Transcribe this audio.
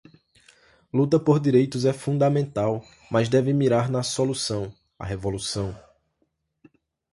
Luta por direitos é fundamental, mas deve mirar na solução, a revolução